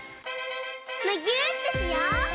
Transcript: むぎゅーってしよう！